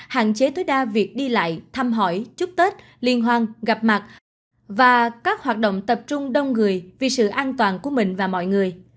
hạn chế tối đa việc đi lại thăm hỏi chúc tết liên hoan gặp mặt và các hoạt động tập trung đông người vì sự an toàn của mình và mọi người